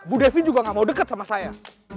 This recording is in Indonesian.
bu devi juga ga mau deket sama saya